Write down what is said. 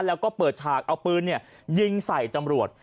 แล้วก็เปิดฉากเอาปืนยิงใส่ตำรวจ